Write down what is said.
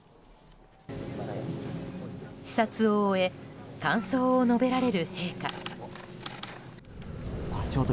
視察を終え感想を述べられる陛下。